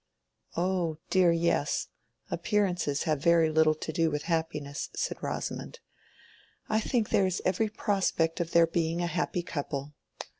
"Oh dear, yes; appearances have very little to do with happiness," said Rosamond. "I think there is every prospect of their being a happy couple.